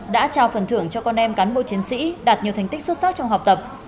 đã trao phần thưởng cho con em cán bộ chiến sĩ đạt nhiều thành tích xuất sắc trong học tập